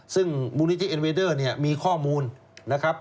ซึ่งมูลนิธิเอ็นเวเดอร์เนี่ยมีข้อมูลนะครับ